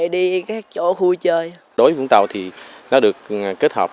đối với vũng tàu thì nó được kết hợp